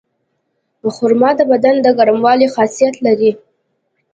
خرما د بدن د ګرمولو خاصیت لري.